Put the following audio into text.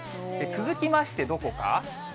続きましてどこか。